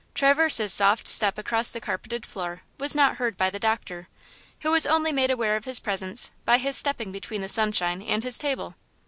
Traverse's soft step across the carpeted floor was not heard by the doctor, who was only made aware of his presence by his stepping between the sunshine and his table.